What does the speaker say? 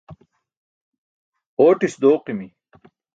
ootis dooqimi